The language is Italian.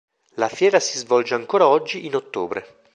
La fiera si svolge ancora oggi in ottobre.